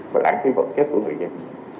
và lãng phí vật chất của người dân